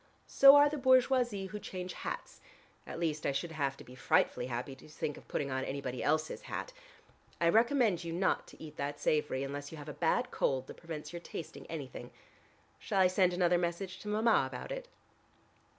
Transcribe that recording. "So are the bourgeoisie who change hats. At least I should have to be frightfully happy to think of putting on anybody else's hat. I recommend you not to eat that savory unless you have a bad cold that prevents your tasting anything. Shall I send another message to Mama about it?"